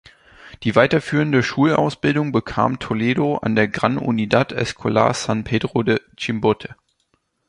Die weiterführende Schulausbildung bekam Toledo an der "Gran Unidad Escolar San Pedro de Chimbote".